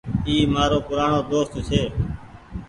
اي مآرو پورآڻو دوست ڇي ۔